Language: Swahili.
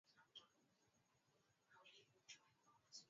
jamhuri ya kidemokrasia ya Kongo kwa sababu ya ukaribu wao kijografia